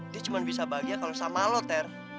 dia cuma bisa bahagia sama lo ter